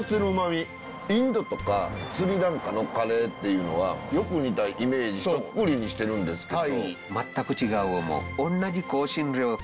インドとかスリランカのカレーっていうのはよく似たイメージのくくりにしてるんですけど。